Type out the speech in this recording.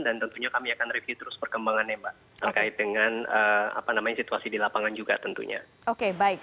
dan tentunya kami akan review terus perkembangannya mbak